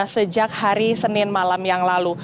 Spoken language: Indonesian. sejak hari senin malam yang lalu